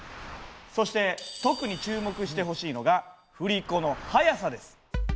そして特に注目してほしいのが振り子の速さです。